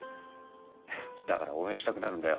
だから応援したくなるんだよ